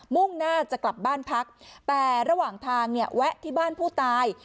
มุ่งหน้าจะกลับบ้านพักแต่ระหว่างทางเนี่ยแวะที่บ้านผู้ตาย